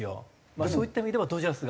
そういった意味でもドジャースが。